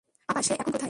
পাপা সে এখন কোথায়?